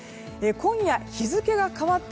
今夜、日付が変わった